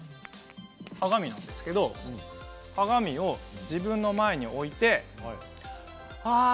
鏡なんですけれど自分の前に置いて。